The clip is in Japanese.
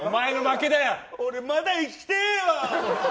俺、まだ生きてえよ。